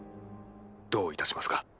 どういたしますか？